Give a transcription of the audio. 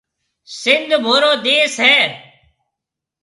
سنڌه مهورو ديس هيَ۔